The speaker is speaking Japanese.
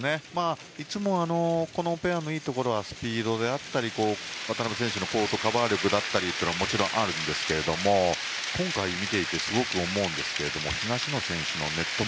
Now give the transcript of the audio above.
いつもこのペアのいいところはスピードであったり渡辺選手のコートカバー力ももちろんあるんですけども今回、見ていてすごく思うんですが、東野選手のネット